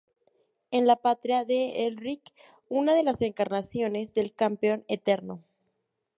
Es la patria de Elric, una de las encarnaciones del Campeón Eterno.